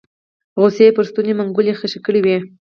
غصې يې پر ستوني منګولې خښې کړې وې